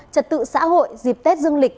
trật tự xã hội dịp tết dương lịch